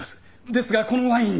ですがこのワインには。